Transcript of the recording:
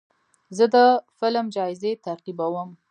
زه د فلم جایزې تعقیبوم.